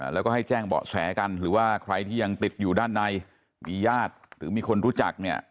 แล้วก็ให้แจ้งเบาะแสกันหรือว่าใครที่ยังติดอยู่ด้านในมีญาติหรือมีคนรู้จักเนี่ย